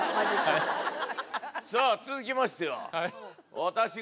さぁ続きましては私が。